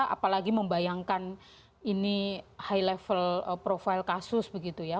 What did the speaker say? apalagi membayangkan ini high level profil kasus begitu ya